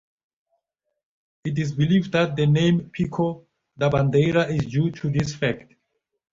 It is believed that the name Pico da Bandeira is due to this fact.